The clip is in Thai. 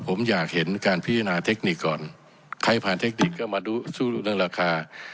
ผมอยากเห็นการพิจารณาเทคนิคก่อนใครผ่านเทคนิคก็มาดูสู้เรื่องราคา